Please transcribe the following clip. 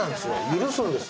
許すんです。